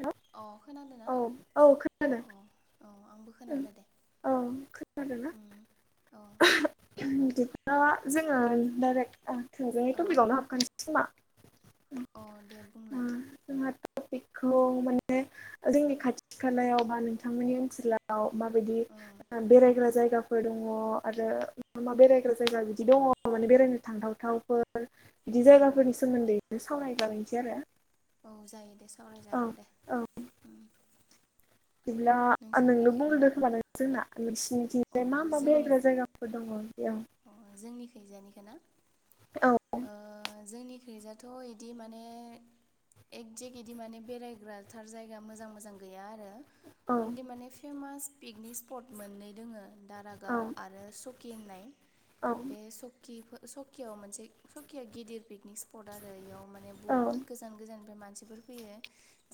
हेल' अ खोनादों ना औ औ अ खोनादों औ आंबो खोनादो दे औ खोनादोंना उ अ बिदिब्ला जोङो डाइरेक्ट ओ थोंजोङै औ टपिक आावनो हाबखानोसै खोमा अ दे बुंलाय जोंहा टपिकखौ माने जोंनि खाथि खालायाव बा नोंथांमोननि ओनसोलाव माबायदि ओ बेरायग्रा जायगा बो दङ आरो मा-मा बेरायग्रा जायगा बिदि दङ माने बेरायनो थांथावथावफोर बिदि औ औ जायगाफोरनि सोमोन्दैनो सावराय जालायनोसै आरो। औ जायो दे औ सावरायजागोन दे। औ बिदिब्ला नोंनो बुंग्रोदो खोमा नों जोंना मिस नोंसोरथिंफ्राय मा-मा बेरायग्रा जायगाफोर दङ बेयाव अ जोंनि खैजानिखौ ना औ ओ जोंनि खैजायथ' इदि माने एकजेक इदि माने बेरायग्रा थार जायगा मोजां-मोजां गैया आरो। औ अनलि माने फेमास पिकनिक स्पट मोननै दोङो। औ दारागाव आरो सकि होननाय खाथि जायोना औ बे सकि सकियाव मोनसे सकियाव गिदिर पिकनिक स्पट आरो इयाव माने बुहुत गोजान गोजाननिफ्राय मान मानसिफोर फैयो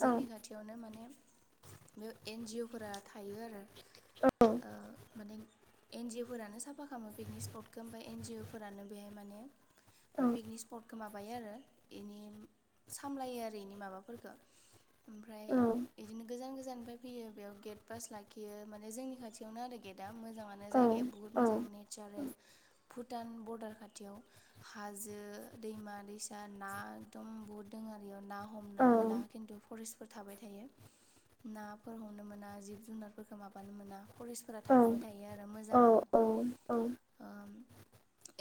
जोंनि खाथियावनो माने बे एन जिअ फोरा थायो आरो ओ माने एन जि अ फोरानो साफा खामो पिकनिक स्फ फटखौ ओमफाय एन जिअ फोरानो बेहाय माने पिकनिक स्पटखौ मा बायो आरो एनि सामलायो आरो एनि माबाफोरखो। ओमफ्राय इदिनो गोजान-गोजान फाय फैयो बेयाव गेट पास लाखियो माने जोंनि खाथियावनो आरो गेटआ मोजाङानो जायगाया बहुत मोजां नेचारेल। [inaudible] भुटान बरदार खाथियाव हाजो दैमा दैसा ना एकदम बहुद दोङो। इयाव ना हमना मोना खिन्थु फरेस फोर थाबाय थायो नाफोर हमनो मोना जिब जुनारफोरखौ माबानो मोना। फरेस्टफोरा थाखाबाय थायो आरो मोजाङानो। ओम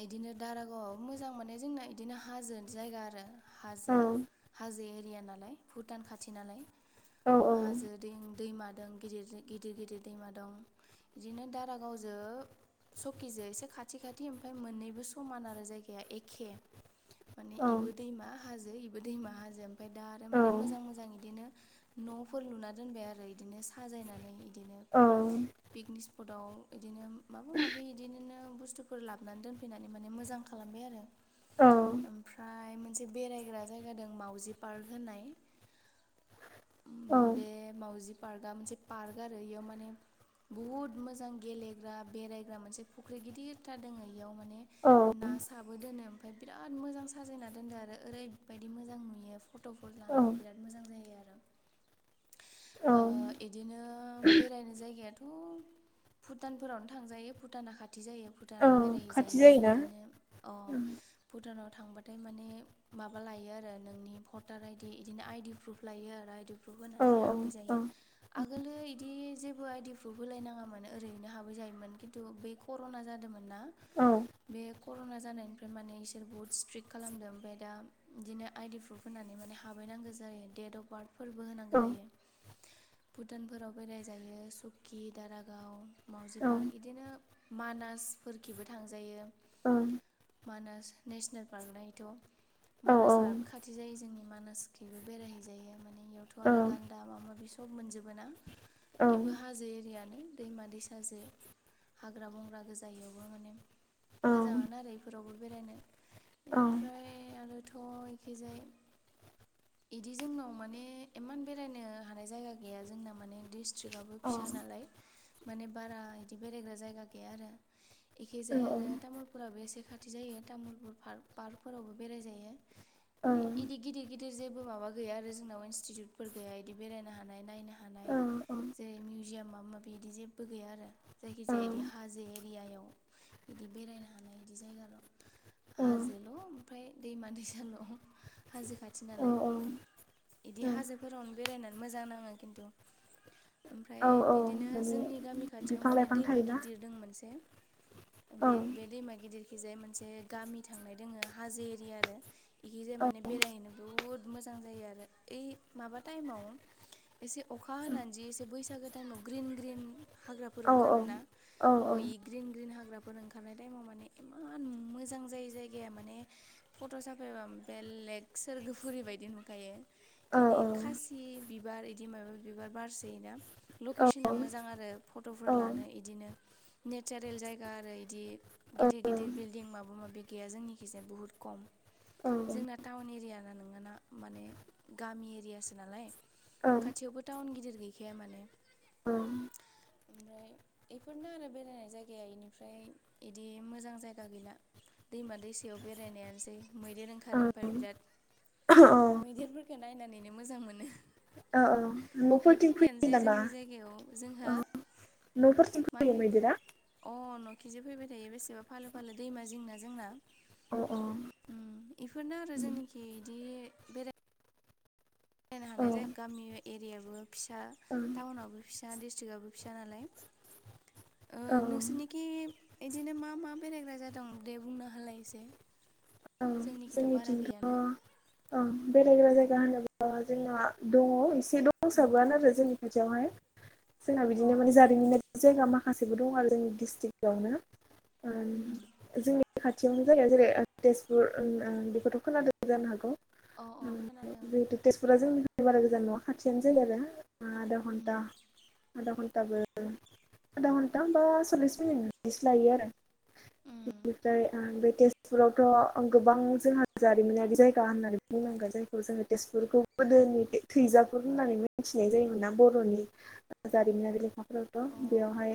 इदिनो दारागावआव मोजां माने जोंना इदिनो हाजो जायगा आरो। हाजो-हाजो एरिया नालाय भुटान खाथि नालाय। हाजो दों दैमा दों गिदर-गिदिर-गिदिर दैमा दं बिदिनो दारागावजो सकिजो एसे ए खाथि-खाथि ओमफ्राय मोननैबो समान आरो जायगाया एखे माने इबो दैमा। हाजो इबो दैमा हाजो ओमफाय दा आरो माने मोजां-मोजां इदिनो न'फोर लुना दोनबाय आरो इदि दिनो साजायनानै इदिनो पिकनिक स्पटाव इदिनो माबा माबि इदिनो नो ओ बुसथुफोर लाबोनानै दैनफैनानै मोजां खालामबाय आरो ओमफ्राय मोनसे बेरायग्रा जायगा दं मावउजि पार्क होननाय। बे मावउजि पार्कआ मोनसे पार्क आरो इयाव माने बुहुत मोजां गेलेग्रा बेरायग्रा मोनसे फु ख्रि गिदिरथार दोङो इयाव माने ना साबो दोनो। ओमफ्राय बिराद मोजां साजायना दोनदो आरो ओरैबायदि मोजां नुयो। फट'फोर लानो बिराद मोजां जायो आ [inaudible] इदिनो बेरायनो जायगायाथ'। भुटानफोरावनो थांजायो भुटाना खा थि जायो भुटानाव बेरायहैजायो इदिनो अ। भुटानाव थांबाथाय माने माबा लायो आरो नोंनि भटार आइदि इदिनो आइडि प्रुफ लायो आरो। आइदि प्रुप होनानै हाबै जायो आगोलो बिदि जेबो आइडि प्रुफ होलायनााङामोन ओरैनो हाबै जायोमोन खिन्थु बे कर'ना जादोंमोनना। बे कर'ना जानायनिफ्राय माने इसोर बुहुत स्ट्रिक्ट खालामदों ओमफाय दा इदिनो आइडि प्रुफ होना नै माने हाबैनांगौ जायो डेट अफ बार्थ फोरबो होनांगौ जायो। भुटानफोराव बेराय जायो सुकि दारागाव मावउजि पार्क इदिनो मानासफोरखिबो थांजायो। मानास नेसनेल पार्क हायथ'। मानासआबो खाथि जायो जोंनि मानासखैबो बेरायहैजायो माने इयावथ' आरो गान्दा माबा माबि स सब मोनजोबोना इबो हाजो एरियानो दैमा दैसाजो। हाग्रा बंग्रा गोजाययावबो माने मोजाङानो आरो इफोरावबो बेरायनो। इनिफ्राय आरोथ इखैजाय। इदि जोंनाव माने इमान बेरायनो हानाय जायगा गैया जोंना माने दिस्ट्रिक आबो फिस सा नालाय माने बारा इदि बेरायग्रा जायगा गैया आरो इखैजाय आरो तामुलपु फोराबो एसे खाथि जायो तामुलपुर पार्क पार्क फोरावबो बेराय जायो माने इदि गिदिर गिदिर जेबो माबा गैया आरो जोंनाव इन्स्टिटिउटफोर गैया इदि बेरायनो हानाय नायनो हानाय। जेरै मिउजियाम माबा माबि बिदि जेबो गैया आरो जाय खिजाया इदि हाजो एरियायाव इदि बेरायनो हानाय इदि जायगा दं। हाजोल' ओमफ्राय दैमा दैसााल' हाजो खाथि औ नालाय। इदि औ हाजोफोरावनो बेरायनानै मोजां नाङो खिन्थु। औ ओमफ्राय बिदिनो माने जोंनि गामि खाथियाव बिफां माने लाइफां दैमा थायोना गिदिर दों मोनसे। औ बे बे दैमा गिदिर बेखिंजाय मोनसे गामि थांनाय दोङो हाजो एरिया आरो इखिजाय माने बेरायहैनो बहुत मोजां मोजां जायो आरो ओइ माबा टाइमाव एसे अखा हानानै जि एसे बैसागो टाइमाव ग्रिन ग्रिन हाग्राफोर औ ओंखारोना औ अ इ ग्रिन ग्रिन हाग्रा फोर ओंखारनाय टाइमाव माने इयान मोजां जायो जायगाया माने फट' साफायबा बेलेग सोरगोफुरि बायदि नुखायो औ इदि खासि बिबार इदि माबा माबि बिबार बारसोयो ना औ लकेसना मोजां आरो फट' औ लानो इदिनो नेचारेल जायगा आरो इदि गिदिर गिदिर बिलदिं माबा माबि जोंनिखैजाय बुहुत खम। जोंना टाउन एरिया ना नोंङाना माने गामि एरियासो नालाय। औ खाथियावबो टाउन गिदिर गैखाया माने। अ ओमफ्राय बेफोरनो आरो बेरायनाय जायगाया इनिफ्राय इदि मोजां जायगा गैला। दैमा दैसायाव बेरायनायानोसै मैदेर ओंखारो ओमफ्राय बिराद। औ औ मैदेरफोरखौ नायनानैनो मोजां मोनो। न'फोरथिं एखिनियानो फैयो जे नामा जोंनि जायगायाव जों हो औ न'फोरथिं फैयो मैदेरा? इदिनो फैबाय थायो बेसेबा फालो फालो दैमा जिंना जोंना। औ औ ओम इफोरनो आरो जोंनिखि इदि बेराय मिलायनो औ हानाय जाया गामि एरियाबो फिसा टाउनावबो फिस सा डिस्ट्रिकाबबो फिसा नालाय। ओ औ नोंसोरनिखि इदिनो मा मा बेरायग्रा जायगा दं दे बुंनो हालाय एसे [inaudible] जोंनिखिथ' बारा जोंनिथिंथ' गैयानो। औ बेरायग्रा जायगा होनोब्ला जोंना दङ एसे उम दंसाबोआनो आरो जोंनि खाथियावहाय। जोंना अ बिदिनो माने जारिमिनारि जायगा माखासेबो दं आरो जोंनि डिस्ट्रिक्यावनो। ओं जोंनि खा थियावनो जायो जेरै तेजपुर ओं बेखौथ' खोनादों जानो हागौ? अ ओम खोनादों जिहेथु तेजपुरा जोंनिफ्राय बारा गोजान नंआ खाथियानो जायो आरो। आदा उम घन्ता आदा घन थाबो आदा घन्टा बा सल्लिस मिनिटसो लायो आरो। उम बेनिफ्राय आ बे तेजपुरावथ' गोबां जोंहा जारिमिनारि जायगा होननानै बुनांगोन जायखौ जोङो तेजपुरखौ गोदोनि थैजाफुर होननानै मिथिनाय जायोमोनना बर'नि। जारिमिनारि नोंथां। अ थ' बेयावहाय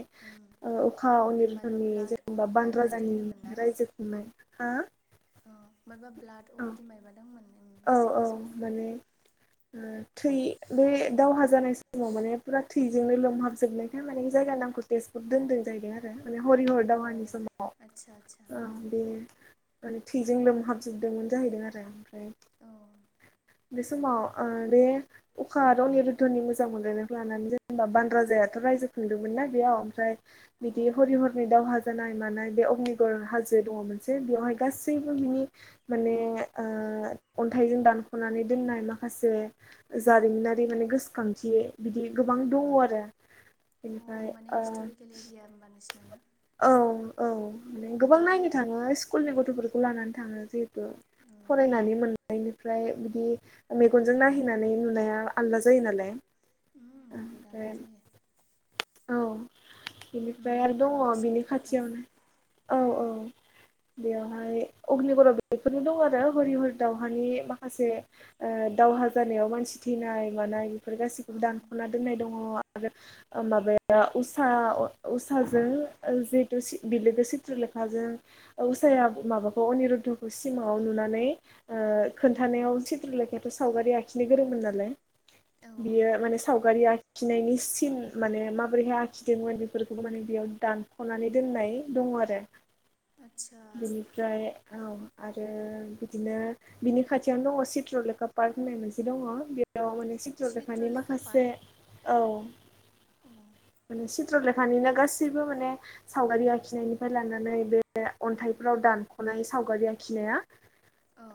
अखा माबा अनिरुधननि ब्लाड अफ जेनेबा बान माबा बिदि राजानि रायजो खुंनाय। हा? माबा ब्लाद अबेदि मायबा दंमोन। ओं औ एसे औ गोसोआव माने फैनांदों थै बे दावहा जानाय समाव माने फुरा थै थैजोंनो लोमहाबजोबनायखाय माने जायगा नामखौ तटेजपुक दोनदों जाहैदों आरो। माने हरि हर दावहानि समाव आदसा आदसा ओं बे माने थैजों लोमहाबजोबदोंमोन जाहैदों आरो ओमफ्राय ओं बे समाव ओ बे अखा रनिरुधनि मोजां मोनलायनायखौ लानानै जेनबा बान राजायाथ' राय्जो खुंदोंमोनना बेयाव ओमफ्राय औ बिदि हर हरनि दावहा जानाय मानाय बे अगनिगर हाजो दङ मोनसे बेवहाय गासैबो बिनि माने ओ अन्थाइजों दानख'नानै दोननाय माखासे अ जारिमिनारि उम माने गोसोखांथि बिदि गोबां दंओ आरो अ बिनिफ्राय माने ओ हिस्ट'रिकेल एरिया होमबा नोंसिना ना औ औ गोबां उम नायनो थाङो स्कुलनि गथ'फोरखौ लानानै थाङो जेबो उम फरायनानै बेनिफ्राय बिदि मेगनजों नायहैनानै नुनाया आलदा जायो नालाय। उम बहुद आलदा फ्राय जायो औ। बेनिफ्राय आरो नुनानै माने दङ गोसोआव बिनि थाखायो खाथियावनो औ औ। बेवहाय अग्निगराव बेफोरनो दं आरो हरि हरि दाावहानि माखासे दउ खहा जानायाव मानसि थैनाय मानाय बेफोर गाससिखौबो औ दानख'ना दोननाय दङ आरो। माबाया उसा उसाजों जिहेतु बिल सिथ्रलेखाजों अ उसाया अ माबाखौ अनिरुधखौ सिमाङाव नुनानै उम उम खोन्थानायाव सिद्र लेखा सावगारि आखिनो गोरोंमोन नालाय औ औ बियो माने सावगारि आखिनायनि सिन माने माबोरैहाय आखिदोंमोन बेफोरखौ माने बेयाव दानख'नानै दोननाय दङ आरो। आदसा बिनिफ्राय आरो बिदिनो बिनि खाथियावनो दङ चत्रलेखा पार्क होननाय मोनसे दङ बे औ माने सिट्र लेखानि चित्रलेखा माखासे पार्क औ माने सिथ्र लेखानिनो गासैबो माने सावगारि आखिनायनिफ्राय लानानै बे अन्थाइफ्राव दानख'नाय सावगारि आखिनाया औ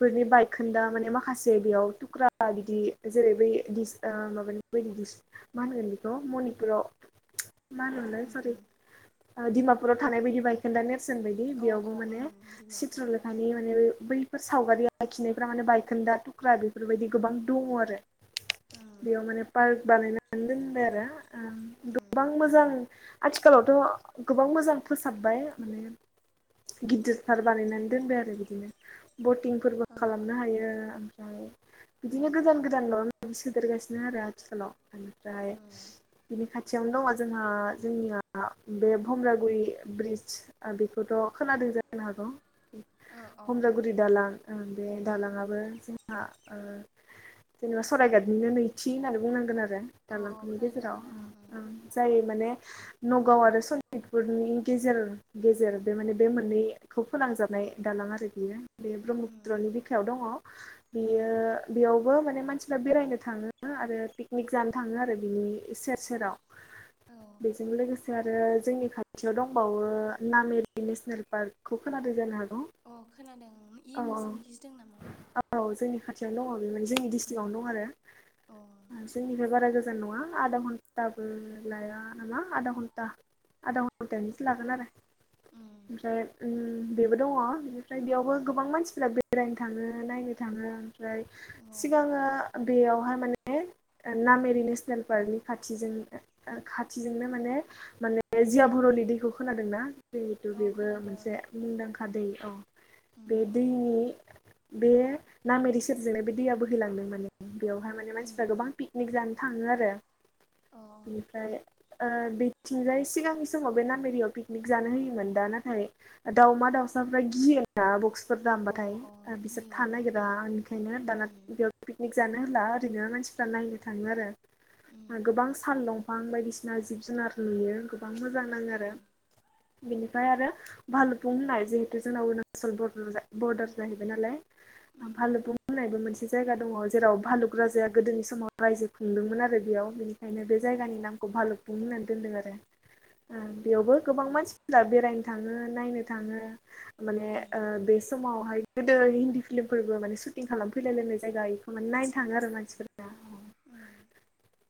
फोरनि ब खोनदा माने माखासे बेयाव थुख्रा बिदि जेरै बै स माबानि बादिस मा होनगोन? मनिपुराव मा होनलाय उम सरि उम डिमापुराव थानाय बायदि बाइक खोन ने अ अ बेयावबो मान्रे उम सिथ्र डिमापुराव थानाया लेखानि बैफोर सावगारि। आखिनायफ्रा माने बायखोन्दा थुख्रा बेफोरबायदि गोबां दङ आरो। उम बेयाव माने पार्क बानायनानै दोनबाय आरो गोबां मोजां आथिखालावथ' गोबां मोजां फोसाबबाय उम। गिदिरथार बानायनानै दोनबाय आरो बिदिनो बटिंफोरबो अ अ खालामनो हायो। ओमफ्राय बिदिनो गोदान गोदानल' सोदेरगासिनो आरो आथिखालाव निफ्राय। नि खाथियावनो दङ जोंहा जोंनिया बे भुम्रागुरि ब्रिज बेखौथ ' खोनादों जानो हागौ। अ अ उम हमजागुरि दालां बे उम दालाङाबो जोंहा जेनेबा सरायघाटनिनो नैथि होननानै बुंनांगोन आरो। आरो अ दालांफोरनि खोनादों गेजेराव खोनादों जाय माने। नगाव आरो सनितपुरनि गेजेर गेजेर बे माने बे मोननैखौ फोनांजाबनाय। दालां आरो बियो उम ब्रह्मपुत्र उम बिखायाव दंङो बियो बेआवबो माने मानसिफ्रा बेरायनो थाङो आरो पिकनिक जानो थाङो आरो बिनि सेर सेराव। औ बेजोल लोगोसे आरो जोंनि खाथियाव दंबावो नामेरि नेसनेल पार्कखौ खोनाय जानो हागौ? अ खोनादों इयो औ नोंसोरनि दों नामा? खाथियाव दङ बे मान जोंनि डिस्ट्रिक्ट उम आआवनो दं अ आरो आदसा जोंनिफ्राय बारा गोजान नङा आदगघन्टाबो लाया आदगघन्टा आदा घन्टानिसो लागोन आरो। उम ओमफ्राय बेबो दङ ओनिफ्राय बेयावबो गोबां मानसिफ्रा बेरायनो थाङो नायनो थाङो। ओमफ्राय अ सिगाङो बेयावहाय माने नामेरि नेसनेल पार्कनि खाथिजों खाथिजोंनो माने माने जिया भुरनि दैखौ खोनादोंना जिहेथु अ बेबो खोनादों मोनसे मुंदांखा दै। औ उम बे दैनि बे नामेरि सेरजोंनो बे दैया बोहैलांदों माने। बेवहाय माने उम मानसिफ्रा उम गोबां पिकनिक जानो थां थाङो आरो अ ओमफ्राय बिथिंजाय सिगांनि समाव बे नामेरियाव पिकनिक जानो होयोमोन दा नाथाय दाउमा दाउ साफ्रा गियोना बक्स फोर अ दामबाथाय अ बिसोर गियो थानो नागिरा बेनिखायनो दाना ओं बेयाव पिकनिक जानो होला ओरैनो मानसिफ्रा नायनो थाङो आरो। उम गोबां साल बिफां बायदिसिना जिब-जुनार नुयो गोबां मोजां नाङो आरो। बेनिफ्राय आरो भालुकफुं होननाय जिहेतु जोंना अरुणाचल बर बरदार जाहैबाय नालाय। उम भालुकफुं होननायबो मोनसे जायगा दङ जेराव भालुक राजाया गोदोनि समाव रायजो खुंदोंमोन आरो बेयाव बेनिखायनो बे अ जायगानि नामखौ भालुकफुं होननानै दोनदों आरो। ओं बेयावबो गोबां मानसिफोरा बेरायनो थाङो, नायनो थाङो माने ओ बे समावहाय गोदो हिन्दी फिल्मफोरबो माने सुटिं खालामफैलाय लायनाय जायगा बेखौ माने नायनो आदसा थाङो आरो मानसिफोरा। औ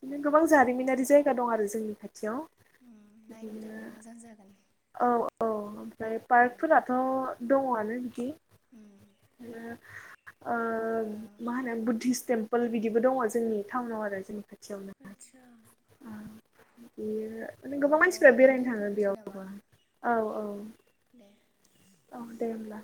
बिदिनो गोबां जारिमिनारि जायगा दं आरो जोंनि खाथियाव। उम नायनो बिदिनो थांनो मोजां जागोन औ औ ओमफ्राय पार्कफोराथ' दङआनो बिदि ओ मा होनो बुद्धिस टेम्पोल बिदिबो दङ जोंनि टाउनाव आरो जोंनिफ्राय आतसा बेयो ओ माने गोबां मानसिफ्रा बेरायनो थाङो दोनथ'नोसै बेयाव। नामा बा औ औ दे औ दे होनोमब्ला